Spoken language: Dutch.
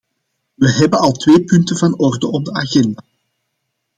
We hebben al twee punten van orde op de agenda.